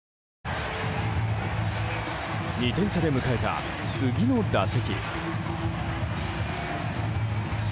２点差で迎えた次の打席。